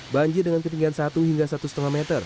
banjir dengan ketinggian satu hingga satu lima meter